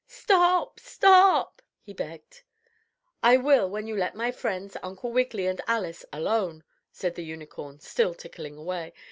"Stop! Stop!" he begged. "I will when you let my friends, Uncle Wiggily and Alice, alone," said the Unicorn, still tickling away.